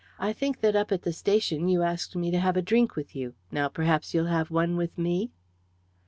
I think that up at the station you asked me to have a drink with you. Now, perhaps, you'll have one with me?"